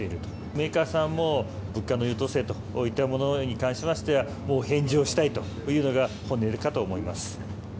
メーカーさんも、物価の優等生といったものに関しましては、もう返上したいというのが本音かと思います。